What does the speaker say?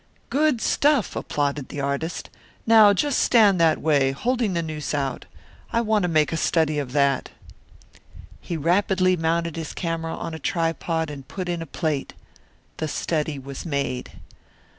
"Good stuff!" applauded the artist. "Now just stand that way, holding the noose out. I want to make a study of that." He rapidly mounted his camera on a tripod and put in a plate. The study was made.